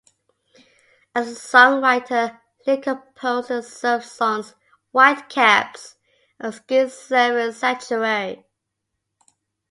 As a songwriter, Lee composed the surf songs "White Caps" and "Ski Surfin' Sanctuary".